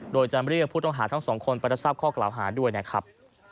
โดยจะเรียกผู้ต้องหาทั้งสองคนไปรับทราบข้อกล่าวหาด้วยนะครับ